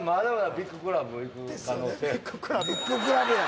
「ビッグクラブ」や！